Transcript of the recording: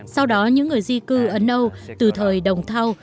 sau đó những người di cư ở nâu từ thời đồng thao